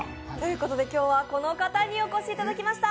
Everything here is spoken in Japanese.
今日はこの方にお越しいただきました。